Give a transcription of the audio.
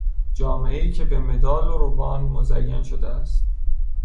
جامهای که به مدال و روبان مزین شده است.